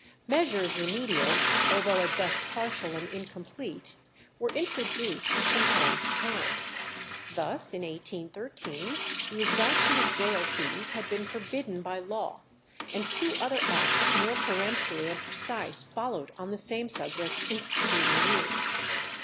Measures remedial, although at best partial and incomplete, were introduced from time to time. Thus in 1813 the exaction of gaol fees had been forbidden by law, and two other acts more peremptory and precise followed on the same subject in succeeding years.